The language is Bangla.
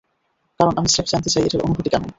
কারণ আমি স্রেফ জানতে চাই এটার অনুভূতি কেমন।